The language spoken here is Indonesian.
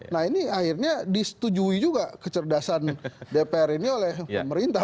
nah ini akhirnya disetujui juga kecerdasan dpr ini oleh pemerintah